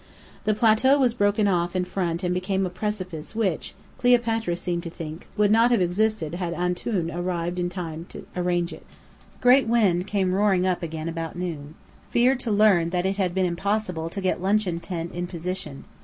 The plateau was broken off in front and became a precipice which, Cleopatra seemed to think, would not have existed had "Antoun" arrived in tune to arrange it. Great wind came roaring up again about noon. Feared to learn that it had been impossible to get luncheon tent in position.